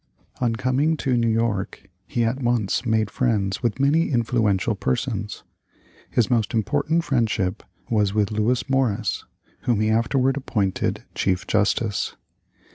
On coming to New York he at once made friends with many influential persons. His most important friendship was with Lewis Morris, whom he afterward appointed chief justice.